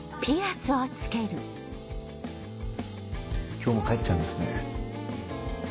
今日も帰っちゃうんですね。